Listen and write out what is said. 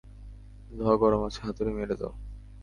লোহা গরম আছে, হাতুড়ি মেরে দাও।